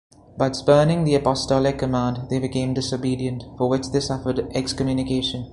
But spurning the apostolic command, they became disobedient., for which they suffered excommunication.